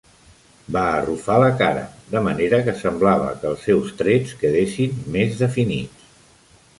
Va arrufar la cara, de manera que semblava que els seus trets quedessin més definits.